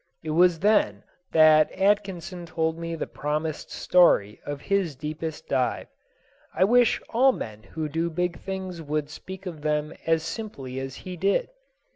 It was then that Atkinson told me the promised story of his deepest dive. I wish all men who do big things would speak of them as simply as he did.